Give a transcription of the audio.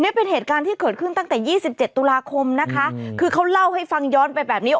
นี่เป็นเหตุการณ์ที่เกิดขึ้นตั้งแต่ยี่สิบเจ็ดตุลาคมนะคะคือเขาเล่าให้ฟังย้อนไปแบบนี้